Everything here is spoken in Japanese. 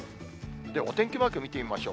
お天気マーク見てみましょう。